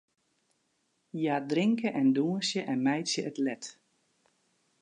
Hja drinke en dûnsje en meitsje it let.